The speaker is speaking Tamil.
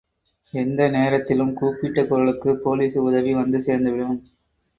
எந்த நேரத்திலும் கூப்பிட்ட குரலுக்குப் போலீசு உதவி வந்து சேர்ந்துவிடும்.